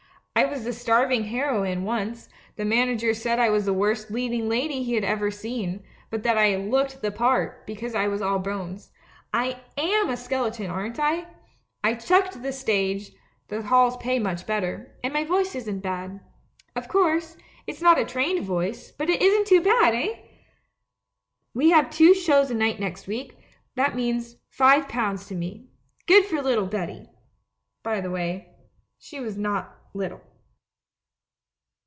I was the starving heroine once — the manager said I was the worst leading lady he had ever seen, but that I "looked the part," be cause I was all bones. I a7n a skeleton, aren't I? I chucked the stage ; the halls pay much better — and my voice isn't bad. Of course, it's not a trained voice, but it isn't bad, eh? We have two shows a night next week — that means five pounds to me. Good for little Betty!' By the way, she was not little.